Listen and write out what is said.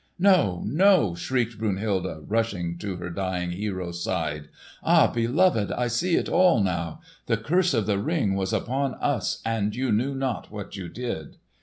"No, no!" shrieked Brunhilde, rushing to her dying hero's side. "Ah, beloved, I see it all now! The curse of the Ring was upon us and you knew not what you did!"